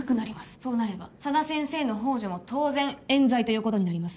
そうなれば佐田先生の幇助も当然えん罪ということになります